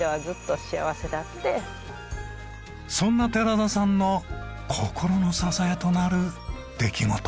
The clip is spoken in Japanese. そんな寺田さんの心の支えとなる出来事が。